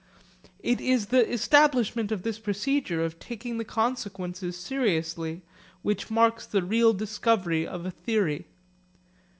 It is the establishment of this procedure of taking the consequences seriously which marks the real discovery of a theory.